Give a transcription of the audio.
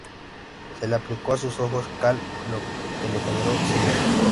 Se le aplicó a sus ojos cal, lo que le generó ceguera.